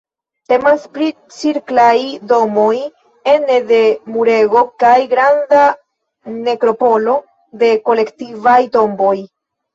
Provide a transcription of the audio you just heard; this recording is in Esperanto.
Temas pri cirklaj domoj ene de murego kaj granda nekropolo de kolektivaj tomboj.